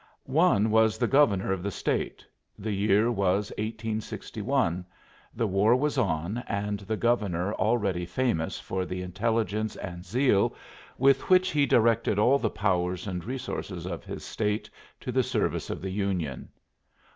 One was the Governor of the State. The year was 1861; the war was on and the Governor already famous for the intelligence and zeal with which he directed all the powers and resources of his State to the service of the Union.